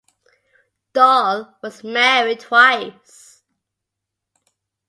Doyle was married twice.